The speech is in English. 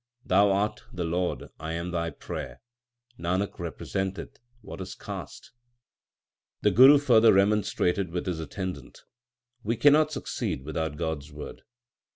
Thou art the Lord, I am Thy player ; Nanak repre senteth, what is caste ? 1 The Guru further remonstrated with his attendant : We cannot succeed without God s word.